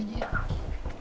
iya tiga jam lagi